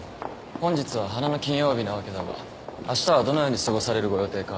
本日は花の金曜日なわけだがあしたはどのように過ごされるご予定か？